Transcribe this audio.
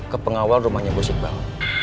ke pengawal rumahnya bu iqbal